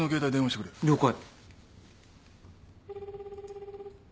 了解。